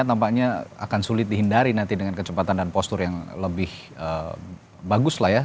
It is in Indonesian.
tampaknya akan sulit dihindari nanti dengan kecepatan dan postur yang lebih bagus lah ya